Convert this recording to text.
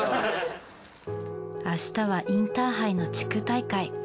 明日はインターハイの地区大会。